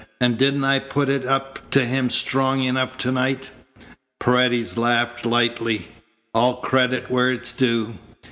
"And didn't I put it up to him strong enough to night?" Paredes laughed lightly. "All credit where it is due.